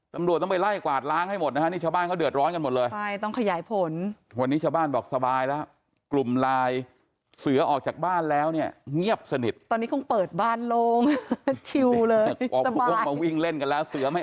ตำรวจต้องไปไล่กวาดล้างให้หมดนะ